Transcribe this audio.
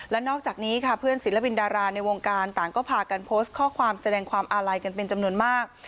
และนอกจากนี้ค่ะเพื่อนศิลปินดาราในวงการต่างก็พากันโพสต์ข้อความแสดงความอาลัยกันเป็นจำนวนมาก